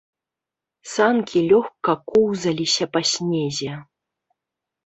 Санкі лёгка коўзаліся па снезе.